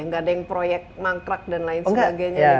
nggak ada yang proyek mangkrak dan lain sebagainya